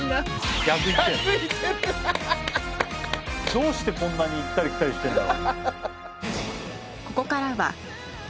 どうしてこんなに行ったり来たりしてるんだろ。